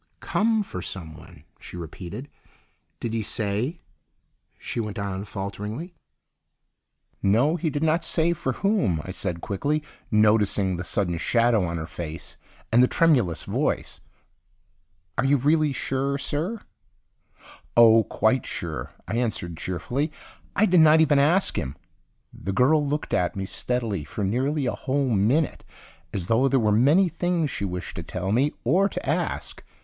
"Come for someone," she repeated. "Did he say—" she went on falteringly. "No, he did not say for whom," I said quickly, noticing the sudden shadow on her face and the tremulous voice. "Are you really sure, sir?" "Oh, quite sure," I answered cheerfully. "I did not even ask him." The girl looked at me steadily for nearly a whole minute as though there were many things she wished to tell me or to ask.